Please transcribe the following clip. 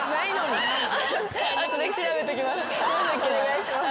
お願いします。